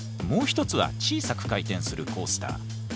もう一つは小さく回転するコースター。